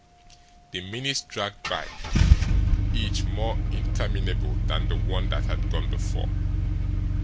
The minutes dragged by each more interminable than the one that had gone before.